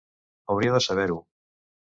Hauria de saber-ho.